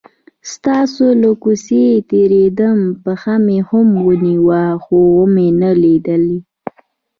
ستاسو له کوڅې تیرېدم، پښه مې هم ونیوه خو ومې نه لیدلې.